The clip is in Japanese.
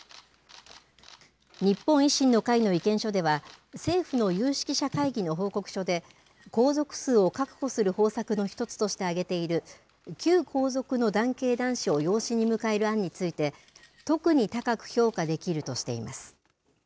日本維新の会の意見書では、政府の有識者会議の報告書で、皇族数を確保する方策の一つとして挙げている、旧皇族の男系男子を養子に迎える案について、特に高く評価できるとしています。